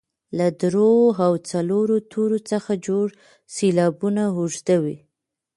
له دریو او څلورو تورو څخه جوړ سېلابونه اوږده وي.